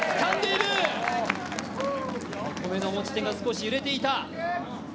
２個目の持ち手が少し揺れていた。